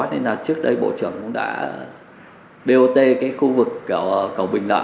nên là trước đây bộ trưởng cũng đã bot cái khu vực cầu bình lợi